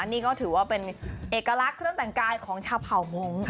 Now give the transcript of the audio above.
นี่ก็ถือว่าเป็นเอกลักษณ์เครื่องแต่งกายของชาวเผ่ามงค์